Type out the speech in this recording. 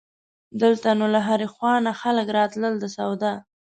دلته نو له هرې خوا نه خلک راتلل د سودا.